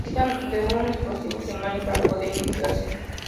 Necesitan de un explosivo primario para poder iniciarse.